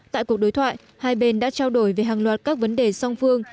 tại cuộc đối thoại hai bên đã trao đổi về hàng loạt các vấn đề song phương